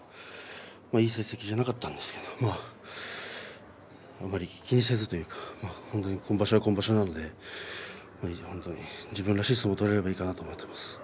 いい成績じゃなかったんですけどあまり気にせずというか本当に今場所は今場所なので本当に自分らしい相撲が取れればいいと思っています。